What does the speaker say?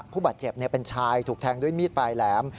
ผู้บาดเจ็บเป็นชายถูกแทงด้วยมีดปลายแหลม